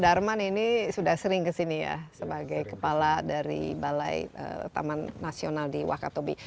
darman ini sudah sering kesini ya sebagai kepala dari balai taman nasional di wakatobi